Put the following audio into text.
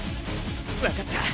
分かった。